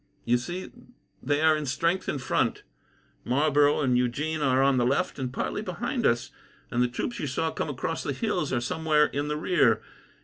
You see, they are in strength in front, Marlborough and Eugene are on the left and partly behind us, and the troops you saw come across the hills are somewhere in the rear.